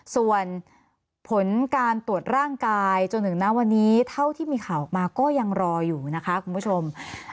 ส่วนผลการตรวจร่างกายจนถึงณวันนี้เท่าที่มีข่าวออกมาก็ยังรออยู่นะคะคุณผู้ชม